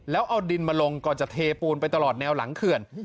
แล้วเอาดินมาลงก่อนจะเทปูนไปตลอดแนวหลังเขื่อน